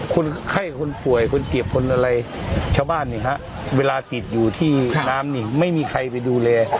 คนไข้คนป่วยคนเจ็บคนอะไรชาวบ้านนี่ฮะเวลาติดอยู่ที่น้ำนี่ไม่มีใครไปดูแล